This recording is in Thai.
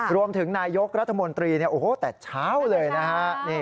รวมถึงนายกรัฐมนตรีเนี่ยโอ้โหแต่เช้าเลยนะฮะ